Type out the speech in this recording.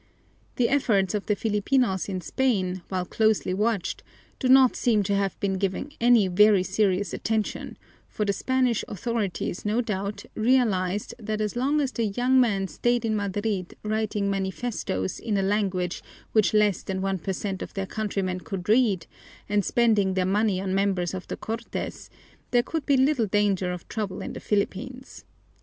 The efforts of the Filipinos in Spain, while closely watched, do not seem to have been given any very serious attention, for the Spanish authorities no doubt realized that as long as the young men stayed in Madrid writing manifestoes in a language which less than one per cent of their countrymen could read and spending their money on members of the Cortes, there could be little danger of trouble in the Philippines.